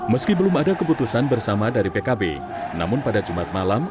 meski belum ada keputusan bersama dari pkb namun pada jumat malam